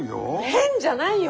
変じゃないよ！